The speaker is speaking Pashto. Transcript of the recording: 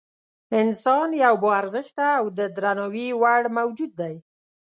انسان یو با ارزښته او د درناوي وړ موجود دی.